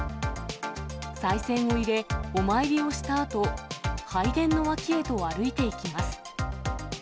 さい銭を入れ、お参りをしたあと、拝殿の脇へと歩いていきます。